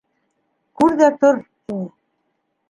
Күр ҙә тор, — тине.